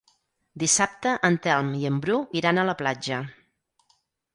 Dissabte en Telm i en Bru iran a la platja.